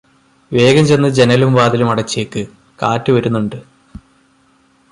വേഗം ചെന്ന് ജനലും വാതിലും അടച്ചേക്ക്, കാറ്റ് വരുന്നുണ്ട്.